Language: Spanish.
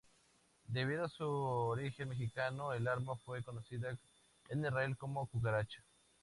Debido a su origen mexicano, el arma fue conocida en Israel como "cucaracha".